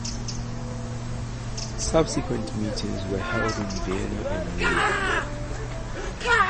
Subsequent meetings were held in Vienna and New York.